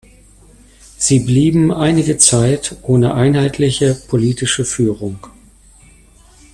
Sie blieben einige Zeit ohne einheitliche politische Führung.